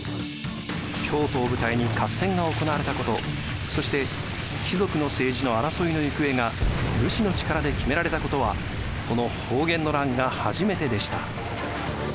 京都を舞台に合戦が行われたことそして貴族の政治の争いの行方が武士の力で決められたことはこの保元の乱が初めてでした。